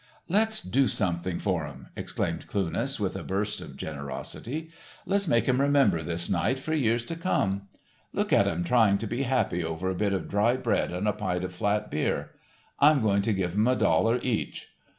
"Let's do something for 'em," exclaimed Cluness, with a burst of generosity. "Let's make 'em remember this night for years to come. Look at 'em trying to be happy over a bit of dry bread and a pint of flat beer. I'm going to give 'em a dollar each."